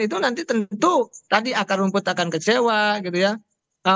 itu nanti tentu tadi akar rumput akan kecewa gitu ya